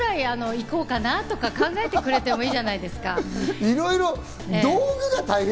少しぐらい行こうかな？とか、考えてくれてもいいじゃないですか。